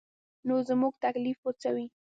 نو زموږ تکلیف به څه وي.